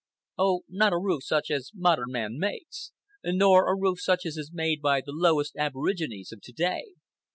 Oh, not a roof such as modern man makes! Nor a roof such as is made by the lowest aborigines of to day.